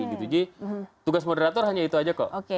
jadi tugas moderator hanya itu aja kok